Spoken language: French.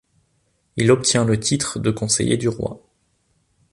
Il obtient le titre de conseiller du roi.